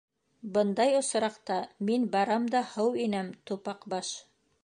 — Бындай осраҡта мин барам да һыу инәм, Тупаҡбаш.